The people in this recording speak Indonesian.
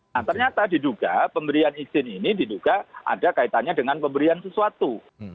nah ternyata diduga pemberian izin ini diduga ada kaitannya dengan pemberian sesuatu